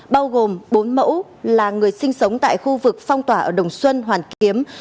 bao gồm bốn mẫu là người sinh sống tại khu vực phong tỏa ở đồng xuân hoàn kiếm